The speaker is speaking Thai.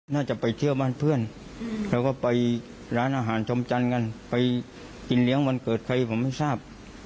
น่าจะไปเที่ยวบ้านเพื่อนแล้วก็ไปร้านอาหารชมจันทร์กันไปกินเลี้ยงวันเกิดใครผมไม่ทราบ